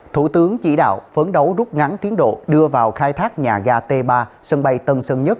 thủ tướng chỉ đạo phấn đấu rút ngắn tiến độ đưa vào khai thác nhà ga t ba sân bay tân sơn nhất